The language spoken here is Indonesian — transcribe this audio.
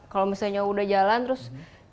kalau misalnya udah jalan terus